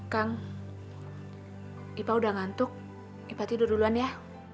kang ipa udah ngantuk ipa tidur duluan ya